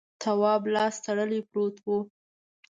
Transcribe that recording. تواب لاس تړلی پروت و.